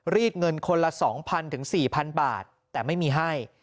รีดเงินคนละ๒๐๐ถึง๔๐๐บาทแต่ไม่มีให้